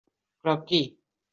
Però qui?